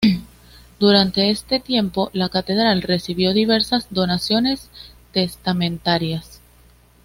Durante este tiempo la catedral recibió diversas donaciones testamentarias.